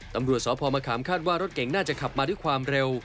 ตำรวจสพมะขามคาดว่ารถเก่งน่าจะขับมาด้วยความเร็ว